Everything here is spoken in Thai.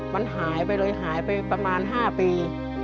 มันหายไปเลยหายไปประมาณ๕ปี